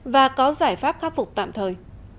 và có giải pháp khắc phục tạm thời